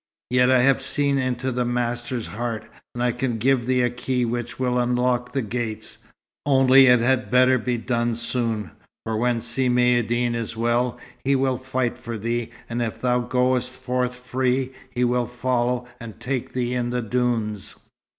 Yet I have seen into the master's heart, and I can give thee a key which will unlock the gates. Only it had better be done soon, for when Si Maïeddine is well, he will fight for thee; and if thou goest forth free, he will follow, and take thee in the dunes."